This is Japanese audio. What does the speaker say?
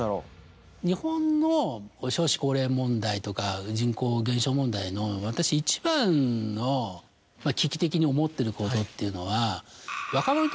日本の少子高齢問題とか人口減少問題の私一番の危機的に思ってることっていうのは。